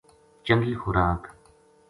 چنگی خوراک